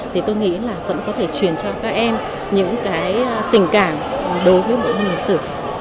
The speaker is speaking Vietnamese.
thì tôi nghĩ là vẫn có thể truyền cho các em những cái tình cảm đối với bộ môn lịch sử